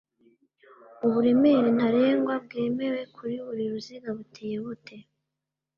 uburemere ntarengwa bwemewe kuri buri ruziga buteye bute